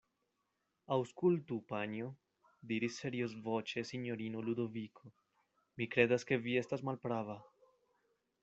Aŭskultu, panjo, diris seriozvoĉe sinjorino Ludoviko; mi kredas ke vi estas malprava.